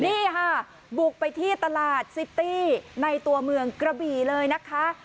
นี่ค่ะบุกไปที่ตลาดซิตี้ในตัวเมืองกระบี่เลยนะคะ